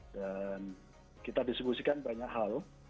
dan kita disegusikan banyak hal